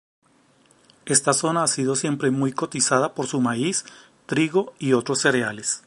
Esta zona ha sido siempre muy cotizada por su maíz, trigo y otros cereales.